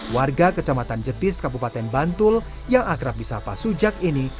warga kecamatan jetis kabupaten bantul yang akrab di sapa sujak ini